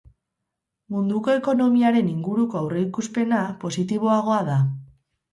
Munduko ekonomiaren inguruko aurreikuspena positiboagoa da.